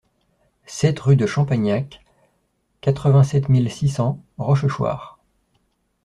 sept rue de Champagnac, quatre-vingt-sept mille six cents Rochechouart